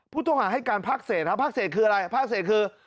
ผู้ต้องหาให้การภักษ์เสนครับภักษ์เสนคืออะไรภักษ์เสนคือ